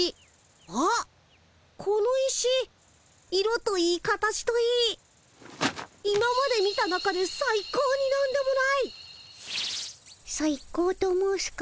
この石色といい形といい今まで見た中でさい高になんでもない！さい高と申すか？